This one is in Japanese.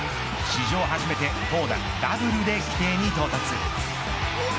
史上初めて投打ダブルで規定に到達。